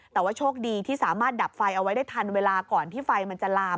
แต่ว่าโชคดีที่สามารถดับไฟเอาไว้ได้ทันเวลาก่อนที่ไฟมันจะลาม